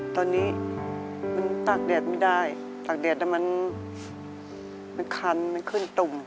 ตอนนี้มันตากแดดไม่ได้ตากแดดมันคันมันขึ้นตุ่ม